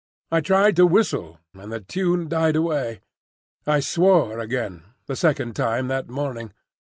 I tried to whistle, and the tune died away. I swore again,—the second time that morning.